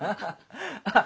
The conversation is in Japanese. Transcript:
ハハハハ。